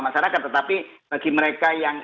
masyarakat tetapi bagi mereka yang